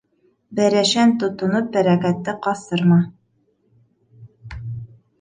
Бәрәшән тотоноп бәрәкәтте ҡасырма.